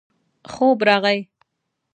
خوب راغی.